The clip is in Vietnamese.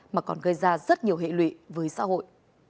mà còn gây ra rất nhiều hệ lụy với xã hội